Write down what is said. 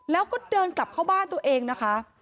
แล้วก็เดินกลับเข้าบ้านตัวเองนะคะ